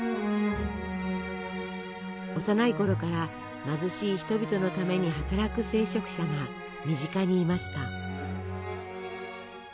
幼いころから貧しい人々のために働く聖職者が身近にいました。